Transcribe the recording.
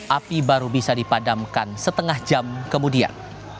api baru bisa dipadamkan setengah jam kemudian